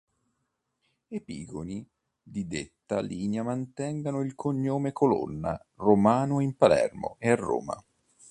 Epigoni di detta linea mantengono il cognome Colonna Romano in Palermo e Roma.